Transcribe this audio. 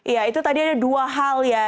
ya itu tadi ada dua hal ya